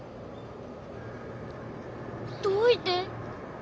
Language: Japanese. どういて？